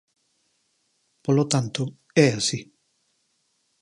Polo tanto, é así.